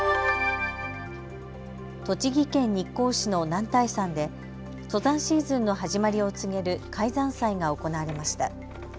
栃木県日光市の男体山で登山シーズンの始まりを告げる開山祭が行われました。